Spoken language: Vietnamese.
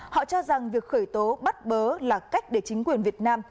họ cho rằng việc khởi tố bắt bớ là cách để chính quyền việt nam